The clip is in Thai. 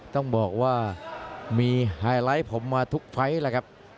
ต้องบอกว่ามีไฮไลท์ผมมาทุกไฟล์แล้วครับ